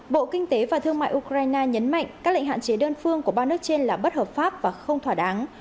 bộ kinh tế và thương mại ukraine nhấn mạnh các lệnh hạn chế đơn phương của ba nước trên là bất hợp pháp và không thỏa đáng